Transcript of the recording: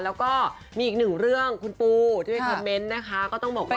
แล้วก็มีอีกหนึ่งเรื่องคุณปูที่ไปคอมเมนต์นะคะก็ต้องบอกว่า